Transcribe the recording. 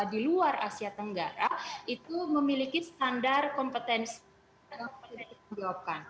di luar asia tenggara itu memiliki standar kompetensi